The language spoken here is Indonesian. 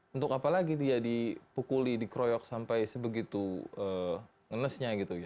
untuk apa lagi dia dipukuli dikroyok sampai sebegitu ngelesnya gitu